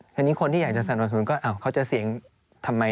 ทีนี้คนที่อยากจะสนับสนุนก็เขาจะเสียงทำไม